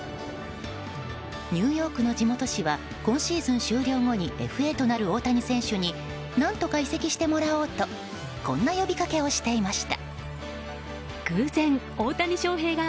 ニューヨークの地元紙は今シーズン終了後にＦＡとなる大谷選手に何とか移籍してもらおうとこんな呼びかけをしていました。